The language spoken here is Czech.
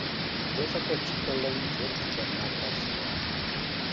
Byl také přítelem George Bernarda Shawa.